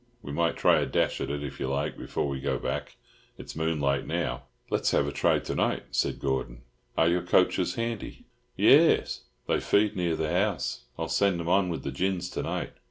We might try a dash at it, if you like, before we go back; it's moonlight now." "Let's have a try to night" said Gordon. "Are your coachers handy?" "Yairs. They feed near the house. I'll send 'em on with the gins to night."